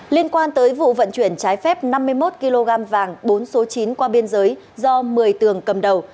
liên quan tới vụ vận chuyển trái phép năm mươi một kg vàng bốn số chín qua biên giới do một mươi tường cầm đầu